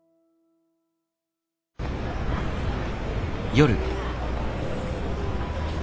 夜。